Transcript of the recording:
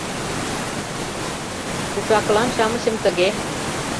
Уш-акылан-шамычым тыге